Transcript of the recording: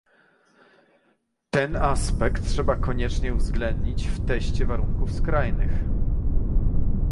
Ten aspekt trzeba koniecznie uwzględnić w teście warunków skrajnych